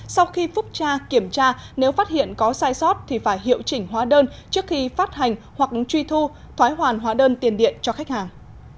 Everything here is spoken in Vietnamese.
sau khi phúc tra kiểm tra nếu phát hiện có sai sót thì phải hiệu chỉnh hóa đơn trước khi phát hành hoặc truy thu thoái hoàn hóa đơn tiền điện cho khách hàng